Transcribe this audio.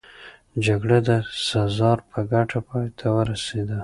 جګړه د سزار په ګټه پای ته ورسېده